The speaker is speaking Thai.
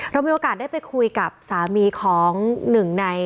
เรามีโอกาสได้ไปคุยกับสามีของหนึ่งใน